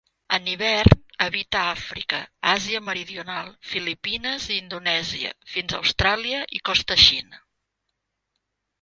En hivern habita Àfrica, Àsia Meridional, Filipines i Indonèsia fins a Austràlia i costa Xina.